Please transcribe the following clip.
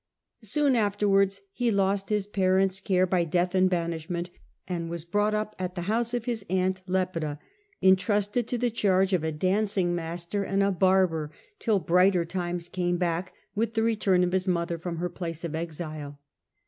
Soon afterwards he lost his parents' care by death and banish ment, and was brought up at the house of his aunt, Lepida, entrusted to the charge of a dancing master and II a 100 TIu Earlier Empire, a.d. 54 66. a barber, till brighter times came back with the return of his mother from her place of exile.